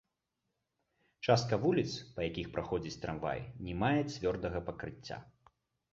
Частка вуліц, па якіх праходзіць трамвай, не мае цвёрдага пакрыцця.